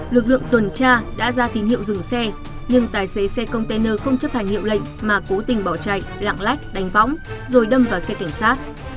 lực lượng tuần tra đã ra tín hiệu dừng xe nhưng tài xế xe container không chấp hành hiệu lệnh mà cố tình bỏ chạy lạng lách đánh võng rồi đâm vào xe cảnh sát